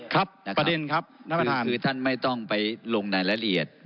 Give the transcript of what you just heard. ครับประเด็นครับท่านประธานคือท่านไม่ต้องไปลงในละเอียด